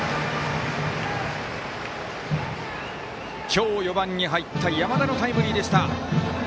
今日、４番に入った山田のタイムリーでした。